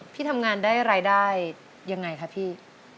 พี่ทำงานได้รายได้ยังไงคะพี่